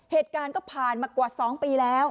เหตุการณ์ก็ผ่านมากว่า๒ปีแล้ว